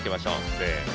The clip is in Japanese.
せの！